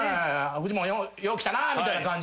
フジモンよう来たなみたいな感じで。